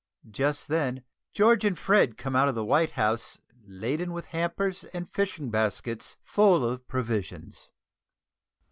Just then George and Fred come out of the White House laden with hampers and fishing baskets full of provisions.